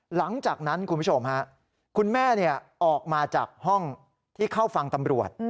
หลังจากนั้นคุณผู้ชมฮะคุณแม่ออกมาจากห้องที่เข้าฟังตำรวจ